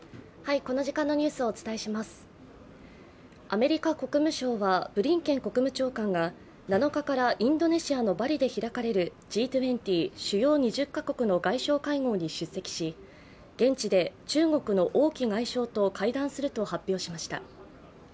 アメリカ国務省はブリンケン国務長官が７日からインドネシアのバリで開かれるＧ２０＝主要２０か国の外相会合に出席し、現地で中国の王毅外相と会談すると発表しました。